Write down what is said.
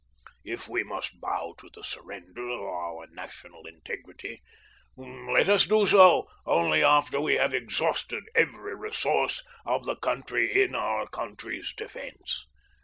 "If we must bow to the surrender of our national integrity, let us do so only after we have exhausted every resource of the country in our country's defense.